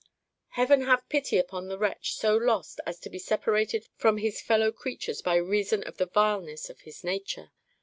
Heaven have pity upon the wretch so lost as to be separated from his fellow creatures by reason of the vileness of his nature!